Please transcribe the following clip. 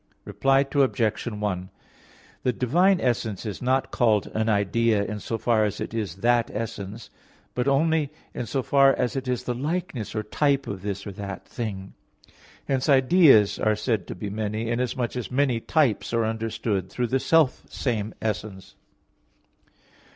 Reply Obj. 1: The divine essence is not called an idea in so far as it is that essence, but only in so far as it is the likeness or type of this or that thing. Hence ideas are said to be many, inasmuch as many types are understood through the self same essence.